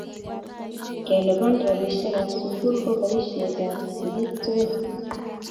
Keluban robishe ab sukul ko boisie ab sikiik tugul.